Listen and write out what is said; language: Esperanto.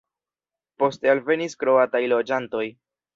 Poste alvenis kroataj loĝantoj.